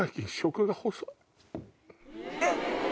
えっ？